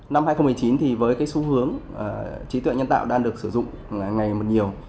năm hai nghìn một mươi chín thì với cái xu hướng trí tuệ nhân tạo đang được sử dụng ngày một nhiều